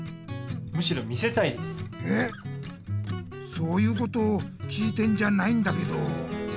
そういうことを聞いてんじゃないんだけど。